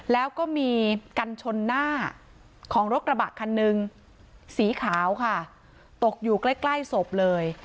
แล้วก็มีกันชนหน้าของรถกระบะคันหนึ่งสีขาวค่ะตกอยู่ใกล้ใกล้ศพเลย